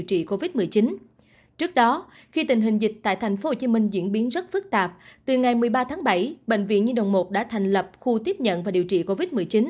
trước đó khi tình hình dịch tại tp hcm diễn biến rất phức tạp từ ngày một mươi ba tháng bảy bệnh viện nhi đồng một đã thành lập khu tiếp nhận và điều trị covid một mươi chín